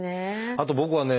あと僕はね